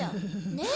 ねえ？